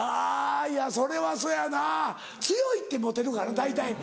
いやそれはそやな強いってモテるから大体。